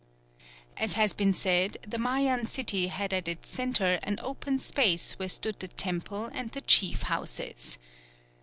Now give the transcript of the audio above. As has been said, the Mayan city had as its centre an open space where stood the temple and the chief houses.